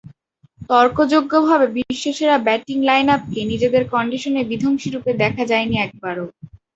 তর্কযোগ্যভাবে বিশ্বসেরা ব্যাটিং লাইনআপকে নিজেদের কন্ডিশনে বিধ্বংসী রূপে দেখা যায়নি একবারও।